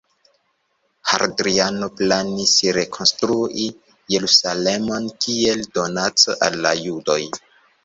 Hadriano planis rekonstrui Jerusalemon kiel donaco al la Judoj.